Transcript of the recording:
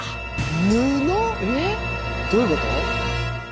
えっ？どういうこと？